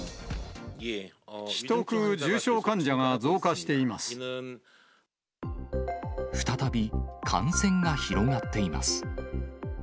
危篤、重症患者が増加してい再び感染が広がっています。